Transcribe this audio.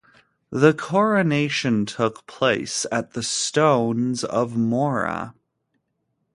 The coronation took place at the Stones of Mora.